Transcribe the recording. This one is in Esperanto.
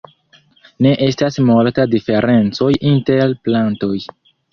Ne estas multa diferencoj inter plantoj.